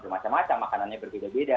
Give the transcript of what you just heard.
bermacam macam makanannya berbeda beda